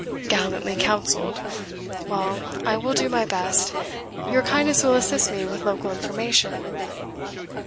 "Gallantly counselled! Well, I will do my best your kindness will assist me with local information."